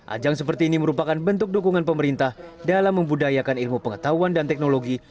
ajang seperti ini merupakan bentuk dukungan pemerintah dalam membudayakan ilmu pengetahuan dan teknologi